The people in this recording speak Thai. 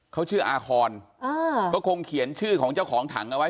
เขาชื่ออาคอนก็คงเขียนชื่อของเจ้าของถังเอาไว้